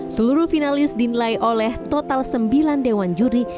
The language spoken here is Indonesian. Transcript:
seluruh finalis dinilai oleh total sembilan dewan juri